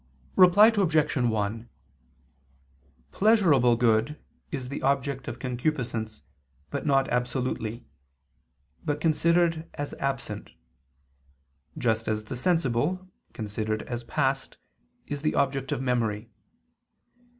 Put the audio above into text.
_ Reply Obj. 1: Pleasurable good is the object of concupiscence, not absolutely, but considered as absent: just as the sensible, considered as past, is the object of memory.